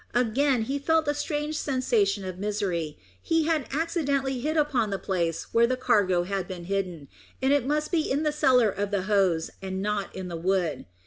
Again he felt a strange sensation of misery. He had accidentally hit upon the place where the cargo had been hidden, and it must be in the cellar of the Hoze, and not in the wood.